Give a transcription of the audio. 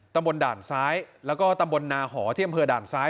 ตำบลด่านซ้ายแล้วก็ตำบลนาหอที่อำเภอด่านซ้าย